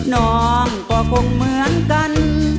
น้องก็คงเหมือนกัน